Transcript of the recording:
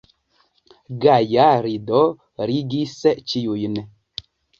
Gaja rido regis ĉiujn.